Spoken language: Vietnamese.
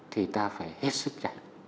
thì ta phải hết sức trả